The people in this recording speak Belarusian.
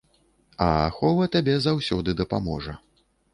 А ахова табе заўсёды дапаможа.